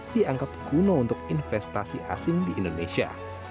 dianggap kuno untuk investasi asing di indonesia